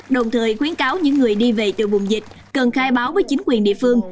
đồng thời khuyến cáo những người đi về từ vùng dịch cần khai báo với chính quyền địa phương